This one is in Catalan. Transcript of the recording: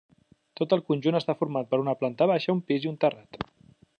Tot el conjunt està format per una planta baixa, un pis i un terrat.